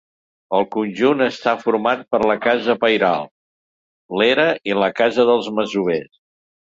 El conjunt està format per la casa pairal, l'era i la casa dels masovers.